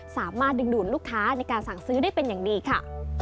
สามารถดึงดูดลูกค้าในการสั่งซื้อได้เป็นอย่างดีค่ะ